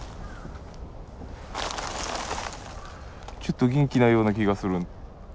ちょっと元気ないような気がする。